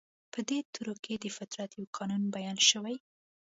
په دې تورو کې د فطرت يو قانون بيان شوی.